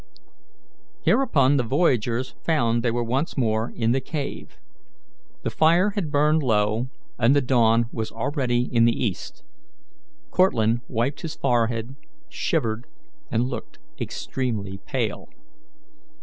Hereupon the voyagers found they were once more in the cave. The fire had burned low, and the dawn was already in the east. Cortlandt wiped his forehead, shivered, and looked extremely pale.